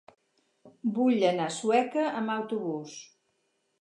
Vull anar a Sueca amb autobús.